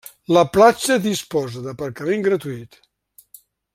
La platja disposa d'aparcament gratuït.